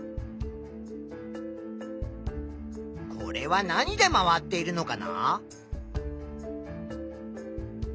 これは何で回っているのかな？